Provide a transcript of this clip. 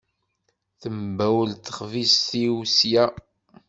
Tembawel texbizt-is sya.